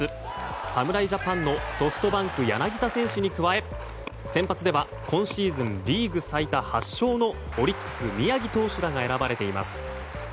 侍ジャパンのソフトバンク、柳田選手に加え先発では、今シーズンリーグ最多８勝のオリックス宮城投手らが選ばれています。